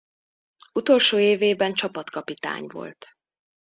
Utolsó évében csapatkapitány volt.